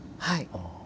はい。